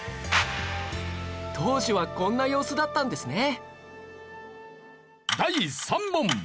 当時はこんな様子だったんですね！